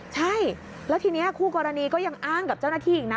ใช่แล้วทีนี้คู่กรณีก็ยังอ้างกับเจ้าหน้าที่อีกนะ